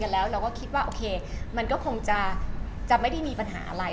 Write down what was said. แล้วเราก็คิดว่าโอเคมันก็คงจะไม่ได้มีปัญหาอะไร